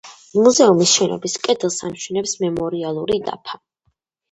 მუზეუმის შენობის კედელს ამშვენებს მემორიალური დაფა.